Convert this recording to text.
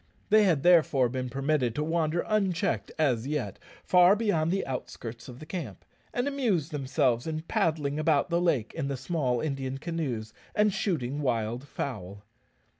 They had therefore been permitted to wander unchecked, as yet, far beyond the outskirts of the camp, and amuse themselves in paddling about the lake in the small Indian canoes and shooting wild fowl.